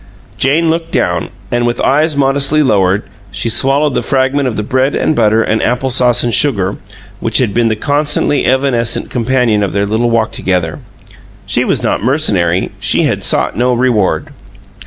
Jane looked down, and with eyes modestly lowered she swallowed the last fragment of the bread and butter and apple sauce and sugar which had been the constantly evanescent companion of their little walk together. She was not mercenary; she had sought no reward.